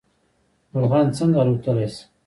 مرغان څنګه الوتلی شي؟